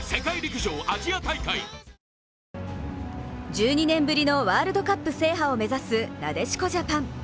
１２年ぶりのワールドカップ制覇を目指すなでしこジャパン。